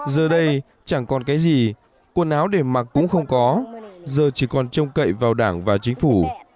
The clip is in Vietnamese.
giờ đây chẳng còn cái gì quần áo để mặc cũng không có giờ chỉ còn trông cậy vào đảng và chính phủ